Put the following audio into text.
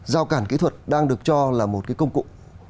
giao cản kỹ thuật đang được cho là một cái công cụ